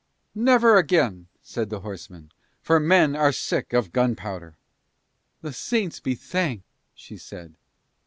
"Never again," said the horseman, "for men are sick of gunpowder." "The Saints be thanked," she said.